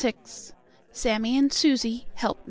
VI SAMMIE AND SUSIE HELP MRS.